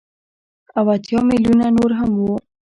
او اتيا ميليونه نور هغه وو.